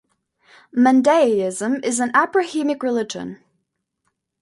Mandaeism is an Abrahamic religion.